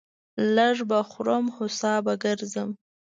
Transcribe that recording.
لږ به خورم ، هو سا به گرځم.